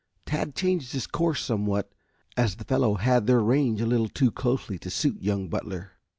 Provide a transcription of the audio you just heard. Tad changed his course somewhat, as the fellow had their range a little too closely to suit young Butler.